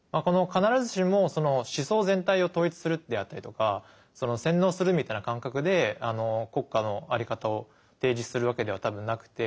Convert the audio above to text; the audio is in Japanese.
必ずしもその思想全体を統一するであったりとかその洗脳するみたいな感覚で国家の在り方を提示するわけでは多分なくて。